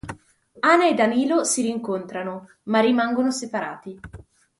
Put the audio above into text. Ana e Danilo si rincontrano, ma rimangono separati.